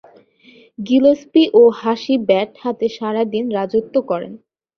Gillespie ও হাসি bat হাতে সারাদিন রাজত্ব করেন।